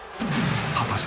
果たして